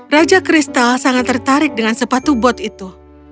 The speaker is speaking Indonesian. raja kristal sangat tertarik dengan sepatu bot itu